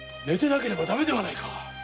寝てなければだめではないか！